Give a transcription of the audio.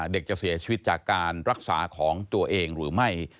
เด็กจะเสียชีวิตจากการรักษาของตัวเองหรือไม่